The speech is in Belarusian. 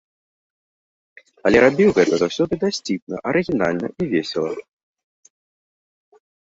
Але рабіў гэта заўсёды дасціпна, арыгінальна і весела.